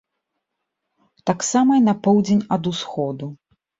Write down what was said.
Таксама і на поўдзень ад усходу.